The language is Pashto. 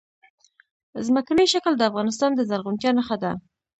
ځمکنی شکل د افغانستان د زرغونتیا نښه ده.